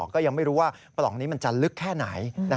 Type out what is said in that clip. ก็ยังไม่รู้ว่าปล่องนี้มันจะลึกแค่ไหน